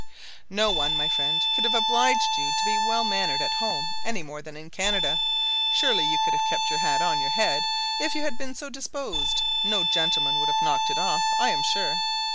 "No one, my friend, could have obliged you to be well mannered at home any more than in Canada. Surely you could have kept your hat on your head if you had been so disposed; no gentleman would have knocked it off, I am sure.